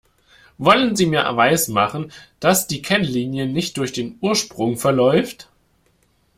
Wollen Sie mir weismachen, dass die Kennlinie nicht durch den Ursprung verläuft?